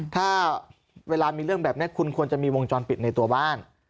ถ้าเวลามีเรื่องแบบนี้คุณควรจะมีวงจรปิดในตัวบ้าน